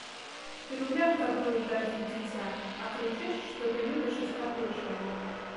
Ты рубля шкадуеш даць на дзіця, а крычыш, што ты любіш і шкадуеш яго.